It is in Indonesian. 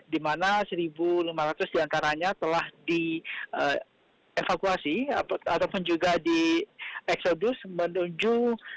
dimana satu lima ratus di antaranya telah dievakuasi ataupun juga diexodus menuju